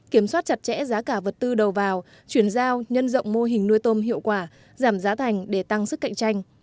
kiểm soát chặt chẽ giá cả vật tư đầu vào chuyển giao nhân rộng mô hình nuôi tôm hiệu quả giảm giá thành để tăng sức cạnh tranh